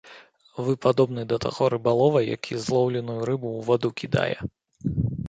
Вы падобны да таго рыбалова, які злоўленую рыбу ў ваду кідае.